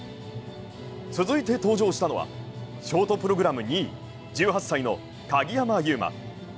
続いて登場したのは、ショートプログラム２位、１８歳の鍵山優真。